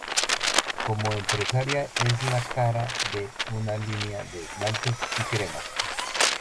Como empresaria es la cara de una línea de esmaltes y cremas.